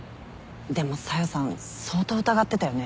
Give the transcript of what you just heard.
でも小夜さん相当疑ってたよね？